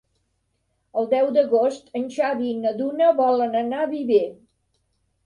El deu d'agost en Xavi i na Duna volen anar a Viver.